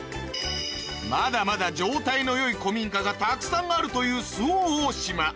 まだまだ状態の良い古民家がたくさんあるという周防大島